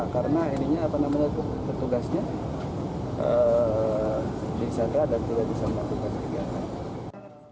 karena petugasnya bisa ada dan tidak bisa melakukan perjalanan